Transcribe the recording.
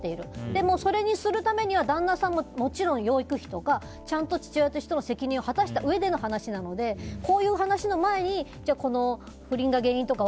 でも、それにするためには旦那さんも、もちろん養育費とかちゃんと父親としての責任を果たしたうえでのことなのでこういう話の前に不倫が原因とか